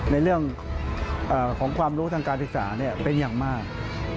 ในเรื่องของความรู้ทางการศึกษาเป็นอย่างมาก